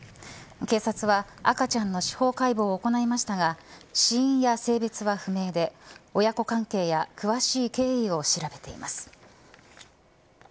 警察は赤ちゃんの司法解剖を行いましたが死因や性別は不明で親子関係や詳しい経緯を調べています。